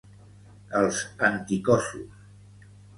Els anticossos.